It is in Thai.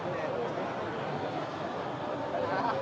สวัสดีครับ